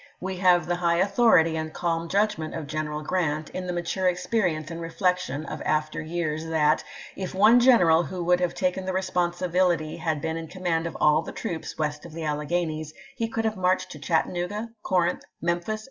We have the high authority and calm judgment of General Grant, in the mature experience and reflection of after years, that " if one general who would have taken the responsibility had been in command of all cjrant, the troops west of the Alleghanies, he could MfimoiFH." have marched to Chattanooga, Corinth, Memphis, J..